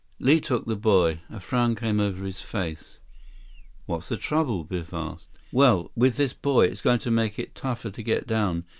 Li took the buoy. A frown came over his face. "What's the trouble?" Biff asked. "Well, with this buoy, it's going to make it tougher to get down.